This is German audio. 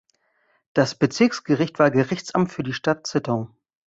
Das Bezirksgericht war Gerichtsamt für die Stadt Zittau.